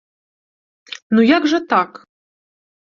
Ну як жа так?